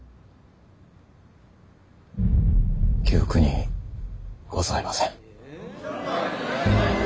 記憶にございません。